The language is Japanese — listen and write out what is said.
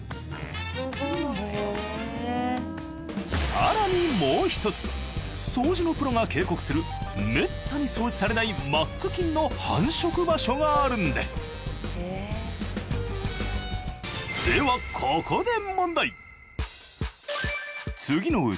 更にもうひとつ掃除のプロが警告するめったに掃除されないＭＡＣ菌の繁殖場所があるんですではここで問題。